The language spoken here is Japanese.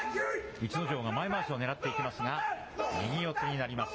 逸ノ城が前まわしを狙っていきますが、右四つになります。